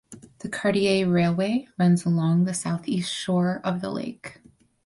The Cartier Railway runs along the southeast shore of the lake.